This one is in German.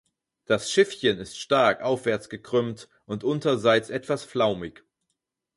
Das Schiffchen ist stark aufwärts gekrümmt und unterseits etwas flaumig.